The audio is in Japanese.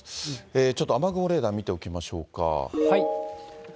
ちょっと雨雲レーダー見ておきましょうか。